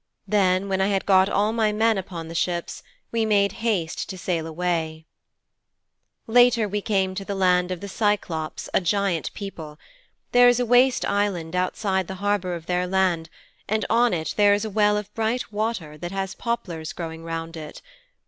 Then, when I had got all my men upon the ships, we made haste to sail away.' 'Later we came to the land of the Cyclôpes, a giant people. There is a waste island outside the harbour of their land, and on it there is a well of bright water that has poplars growing round it.